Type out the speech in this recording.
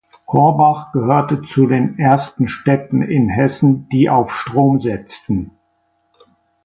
Korbach gehörte zu den ersten Städten in Hessen die auf Strom setzten.